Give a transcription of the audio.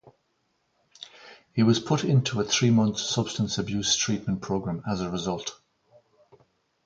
He was put into a three-month substance abuse treatment program as a result.